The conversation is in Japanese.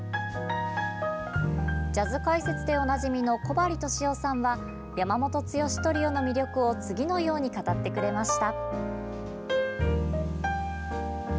ジャズ解説でおなじみの小針俊郎さんは山本剛トリオの魅力を次のように語ってくれました。